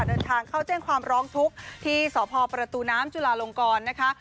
เดินทางเข้าแจ้งความร้องทุกข์ที่สพประตูน้ำจุลาลงกรนะคะ